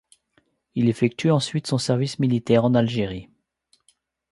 Il effectue ensuite son service militaire en Algérie.